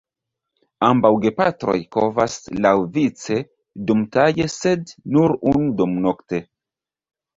Ambaŭ gepatroj kovas laŭvice dumtage sed nur unu dumnokte.